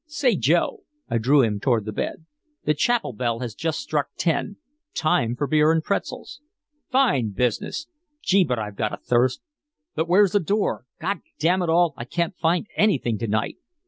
"Say, Joe." I drew him toward the bed. "The chapel bell has just struck ten. Time for beer and pretzels." "Fine business! Gee, but I've got a thirst! But where's the door? God damn it all I can't find anything to night!"